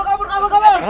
kabur kabur kabur